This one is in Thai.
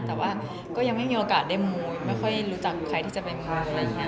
แต่ว่าก็ยังไม่มีโอกาสได้มวยไม่ค่อยรู้จักใครที่จะเป็นใครอะไรอย่างนี้